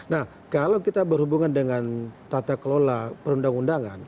nah kalau kita berhubungan dengan tata kelola perundang undangan